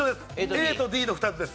ＡとＤの２つです。